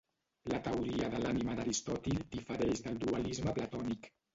La teoria de l'ànima d'Aristòtil difereix del dualisme platònic.